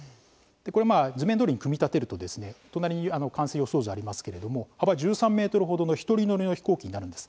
これまあ図面どおりに組み立てると隣に完成予想図ありますけれども幅１３メートルほどの１人乗りの飛行機になるんです。